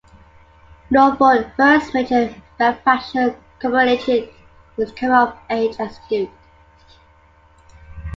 Norfolk's first major benefaction commemorated his coming of age as Duke.